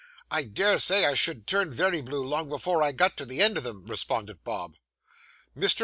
I dare say I should turn very blue, long before I got to the end of them,' responded Bob. Mr.